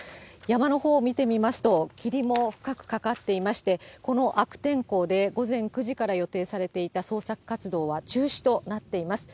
山のほうを見てみますと、霧も深くかかっていまして、この悪天候で、午前９時から予定されていた捜索活動は中止となっています。